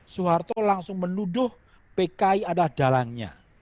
soeharto langsung menuduh pki adalah dalangnya